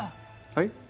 はい？